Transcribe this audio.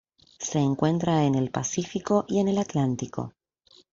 Se encuentra en el Pacífico y el Atlántico.